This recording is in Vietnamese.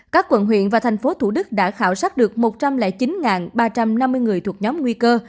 các quận huyện và thành phố thủ đức đã khảo sát được một trăm linh chín ba trăm năm mươi người thuộc nhóm nguy cơ